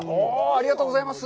ありがとうございます。